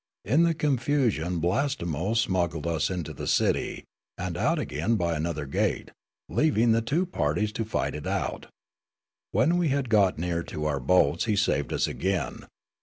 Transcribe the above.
In the confusion Blastemo smuggled us into the citj^, and out again by another gate, leaving the two parties to fight it out. When we had got near to our boats he saved us again.